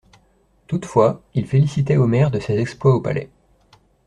Toutefois il félicitait Omer de ses exploits au Palais.